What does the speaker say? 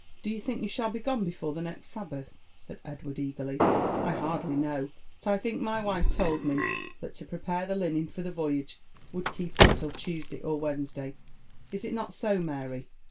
" Do you think you shall be gone before the next Sabbath?" said Edward eagerly. " I hardly know ; but T think my wife told me, that to prepare the linen for the voyage would keep us till Tuesday or Wednesday. Is it not so, Mary